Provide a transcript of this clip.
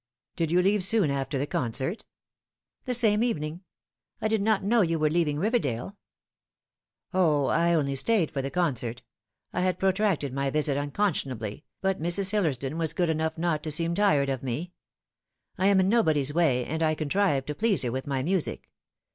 " Did you leave soon after the concert ?" "The same evening. I did not know you were leaving Eiverdale." " O, I only stayed forthe concert. I had protracted my visit unconscionably, but Mrs. Hillersdon was good enough not to seem tired of me. I am in nobody's way, and I contrived to please her with my music.